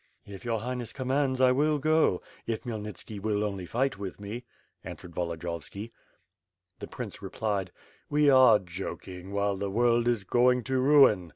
"If your Highness commands, I will go; if Khmyelnitski will only fight with me," answered Volodiyovski. The prince replied: "We are joking, while the world is going to ruin.